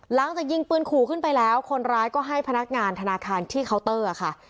หลังจากยิงปืนขู่ขึ้นไปแล้วคนร้ายก็ให้พนักงานธนาคารที่เคาน์เตอร์ค่ะ